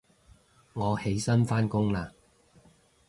我起身返工喇